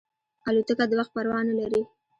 الوتکه د وخت پروا نه لري.